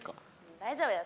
大丈夫だよ。